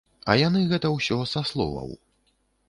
А яны гэта ўсё са словаў.